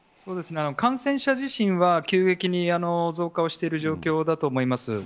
感染者自身は、急激に増加をしている状況だと思います。